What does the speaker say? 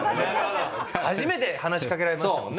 初めて話しかけられましたもんね。